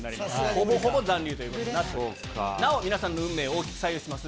ほぼほぼ残留ということになりまなお、皆さんの運命を大きく左右します